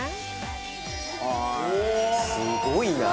すごいな。